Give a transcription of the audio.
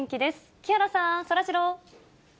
木原さん、そらジロー。